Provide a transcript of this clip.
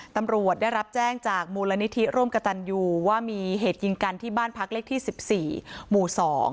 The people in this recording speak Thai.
ตำรวจได้รับแจ้งจากมูลนิธิร่วมกระตันยูว่ามีเหตุยิงกันที่บ้านพักเลขที่๑๔หมู่๒